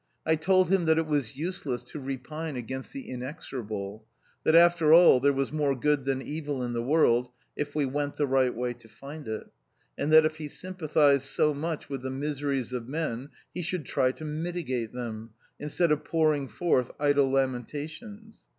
I told him that it was useless to repine against the Inexorable ; that after all there was more good than evil in the world if we went the right way to find it ; and that if he sympathised so much with the miseries of men he should try to mitigate them, instead of pouring forth idle lamentations.